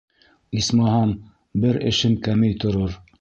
Исмаһам, бер эшем кәмей торор.